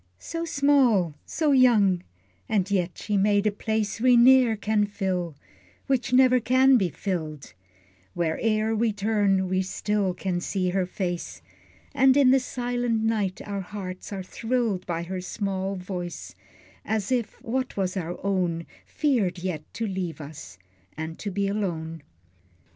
So small, so young, and yet she made a place We ne'er can fill, which never can be filled; Where e'er we turn, we still can see her face, And in the silent night our hearts are thrilled By her small voice, as if what was our own Feared yet to leave us, and to be alone.